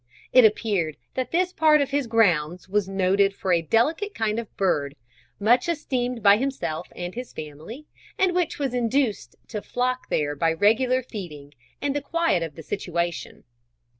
It appeared that this part of his grounds was noted for a delicate kind of bird, much esteemed by himself and his family, and which was induced to flock there by regular feeding and the quiet of the situation.